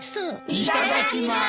いただきます。